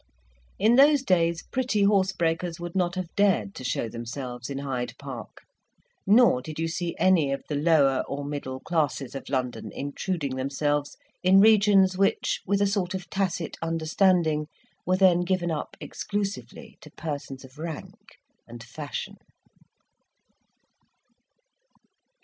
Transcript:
In those days "pretty horsebreakers" would not have dared to show themselves in Hyde Park; nor did you see any of the lower or middle classes of London intruding themselves in regions which, with a sort of tacit understanding, were then given up exclusively to persons of rank and fashion.